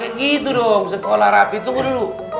kayak gitu dong sekolah rapi tunggu dulu